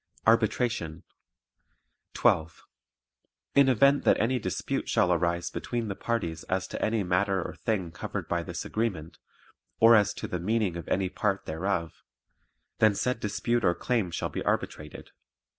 Arbitration 12. In event that any dispute shall arise between the parties as to any matter or thing covered by this agreement, or as to the meaning of any part thereof, then said dispute or claim shall be arbitrated.